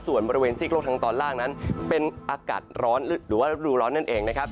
ส่วนบริเวณซีกโลกทางตอนล่างนั้นเป็นอากาศร้อนหรือว่าฤดูร้อนนั่นเองนะครับ